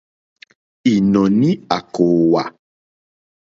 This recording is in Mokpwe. Ìnɔ̀ní à kòòwà.